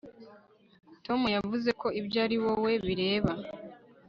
tom yavuze ko ibyo ari wowe bireba